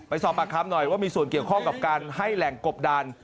สอบปากคำหน่อยว่ามีส่วนเกี่ยวข้องกับการให้แหล่งกบดาน